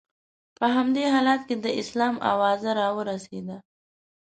په همدې حالت کې د اسلام اوازه را ورسېده.